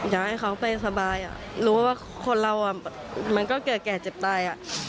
อยากให้เขาไปสบายรู้ว่าคนเรามันก็แก่เจ็บตาย